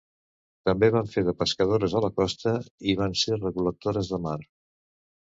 També van fer de pescadores a la costa i van ser recol·lectores de mar.